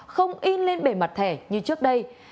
không in lên bề mặt thẻ như trước đây